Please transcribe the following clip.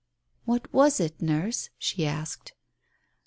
"What was it, Nurse?" she asked.